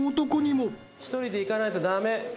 ・１人で行かないと駄目。